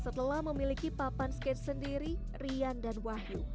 setelah memiliki papan skate sendiri rian dan wahyu